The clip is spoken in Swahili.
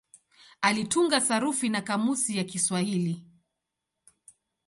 Alitunga sarufi na kamusi ya Kiswahili.